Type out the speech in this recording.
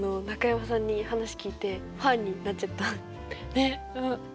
ねっ！